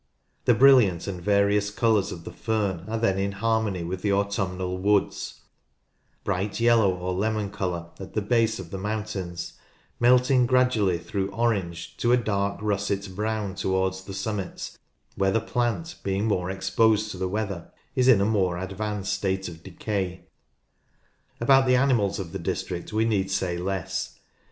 The brilliant and various colours of the fern are then in harmony with the autumnal woods : bright yellow or lemon colour, at the base of the mountains, melting gradually, through orange, to a dark russet brown towards the summits, where the plant, being more exposed to the weather, is in a more advanced state of decay." About the animals of the district we need say less.